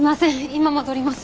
今戻ります。